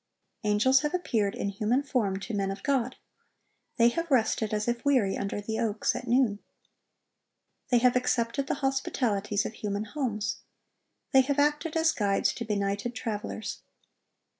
Angels have appeared in human form to men of God. They have rested, as if weary, under the oaks at noon. They have accepted the hospitalities of human homes. They have acted as guides to benighted travelers.